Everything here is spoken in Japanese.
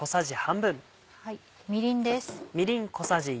みりんです。